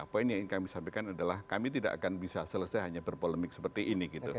poin yang ingin kami sampaikan adalah kami tidak akan bisa selesai hanya berpolemik seperti ini gitu